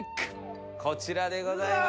こちらでございます。